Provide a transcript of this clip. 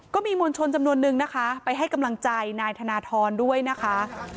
ก็มีมวลชนจำนวนนึงนะคะไปให้กำลังใจนายธนทรด้วยนะคะ